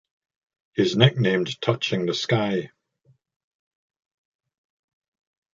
He is nicknamed "Touching the Sky".